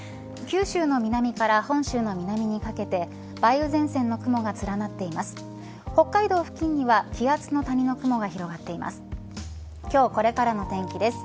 九州の南から本州の南にかけて梅雨前線の雲が連なっています。